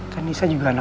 kan nisa juga